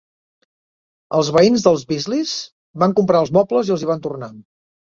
Els veïns dels Beasleys van comprar els mobles i els hi van tornar.